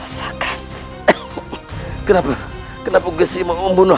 jawsakann kenapa kenapa ke siher manggung